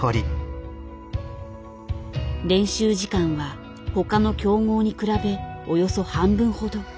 練習時間は他の強豪に比べおよそ半分ほど。